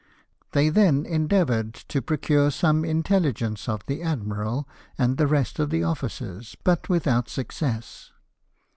They then endea voured to procure some intelligence of the admiral and the rest of the officers, but without success.